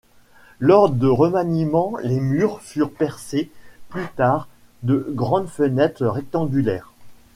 Lors de remaniement les murs furent percés plus tard de grandes fenêtres rectangulaires.